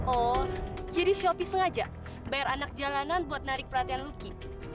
oh jadi shopee sengaja bayar anak jalanan buat narik perhatian lucky